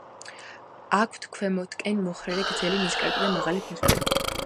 აქვთ ქვემოთკენ მოხრილი გრძელი ნისკარტი და მაღალი ფეხები.